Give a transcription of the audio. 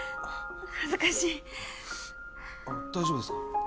恥ずかしいあっ大丈夫ですか？